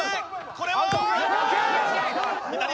これは？